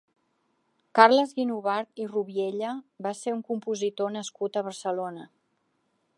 Carles Guinovart i Rubiella va ser un compositor nascut a Barcelona.